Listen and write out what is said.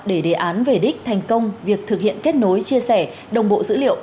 để đề án về đích thành công việc thực hiện kết nối chia sẻ đồng bộ dữ liệu